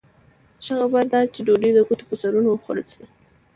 ښه خبره دا ده چې ډوډۍ د ګوتو په سرونو وخوړل شي.